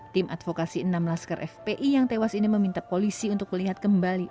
tim advokasi enam laskar fpi yang tewas ini meminta polisi untuk melihat kembali